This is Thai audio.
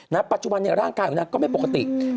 ณปัจจุบันแร่งกายอยู่นั้นก็ไม่ปกติ